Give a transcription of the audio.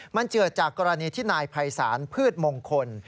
มันเกิดจากกรณีที่นายภัยศาลพืชมงคล